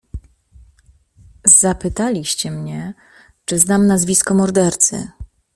"Zapytaliście mnie, czy znam nazwisko mordercy."